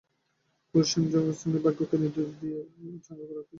Coach Shane জার্গেনসেনও ভাগ্যকে দোষ দিয়েই চাঙা রাখতে চেষ্টা করেছেন খেলোয়াড়দের।